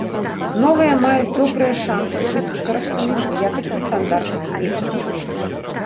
Новыя маюць добрыя шанцы быць выкарыстанымі ў якасці стандартных свечак.